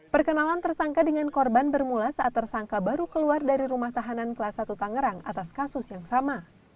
perkenalan tersangka dengan korban bermula saat tersangka baru keluar dari rumah tahanan kelas satu tangerang atas kasus yang sama